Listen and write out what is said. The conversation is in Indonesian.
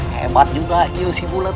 hebat juga iu si bulet